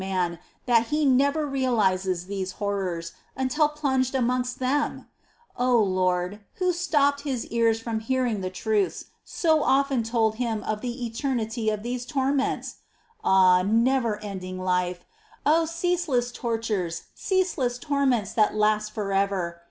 man that he never realises these horrors, until plunged amongst them ?'• O Lord ! who stopped his ears from hearing the truths so often told him of the eternity of these torments ? Ah, never ending life ! Oh, ceaseless tortures, ceaseless torments that last for ever